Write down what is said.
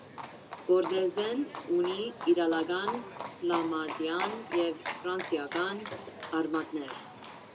Կորտեզեն ունի իտալական, ֆլամանդյան և ֆրանսիական արմատներ։